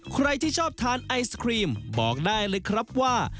ใครที่ชอบทานไอศครีมบอกได้เลยครับว่า